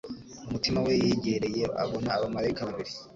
mu mutima we yegereye abona abamaraika babiri